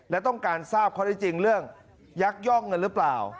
และต้องการทราบข้อได้จริงเรื่องยักย่องเงินหรือเปล่า